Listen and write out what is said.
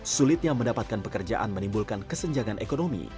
sulitnya mendapatkan pekerjaan menimbulkan kesenjangan ekonomi